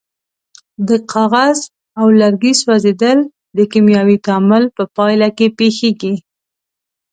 د کاغذ او لرګي سوځیدل د کیمیاوي تعامل په پایله کې پیښیږي.